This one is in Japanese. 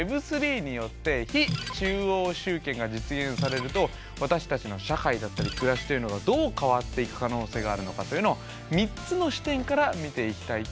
Ｗｅｂ３によって非中央集権が実現されると私たちの社会だったり暮らしというのがどう変わっていく可能性があるのかというのを３つの視点から見ていきたいと思います。